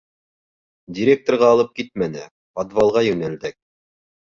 Директорға алып китмәне, подвалға йүнәлдек.